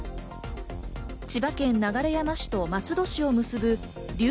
千葉県流山市と松戸市を結ぶ流